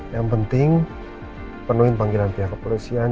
yang penting penuhi panggilan pihak kepolisian